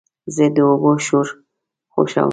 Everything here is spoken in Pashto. زه د اوبو شور خوښوم.